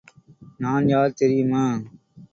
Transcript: நான் யார் தெரியுமா?